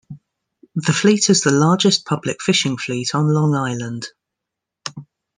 The fleet is the largest public fishing fleet on Long Island.